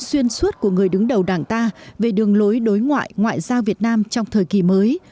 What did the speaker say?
xuyên suốt của người đứng đầu đảng ta về đường lối đối ngoại ngoại giao việt nam trong thời kỳ mới